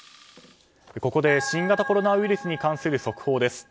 ここで新型コロナウイルスに関する速報です。